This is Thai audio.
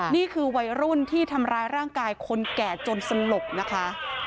นี่คือวัยรุ่นที่ทำร้ายร่างกายคนแก่จนสลบนะคะ